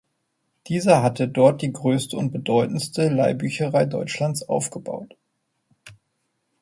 Dieser hatte dort die größte und bedeutendste Leihbücherei Deutschlands aufgebaut.